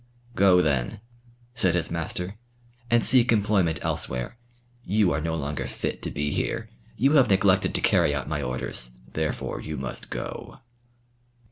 "Go, then," said his master "and seek employment elsewhere. You are no longer fit to be here. You have neglected to carry out my orders, therefore you must go."